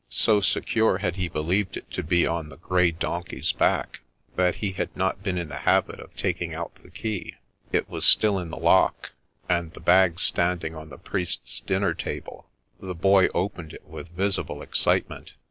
So secure had he believed it to be on the grey donkey's back, that he had not been in the habit of taking out the key. It was still in the lock, and, the bag standing on the priest's dinner table, the Boy opened it with visible excitement.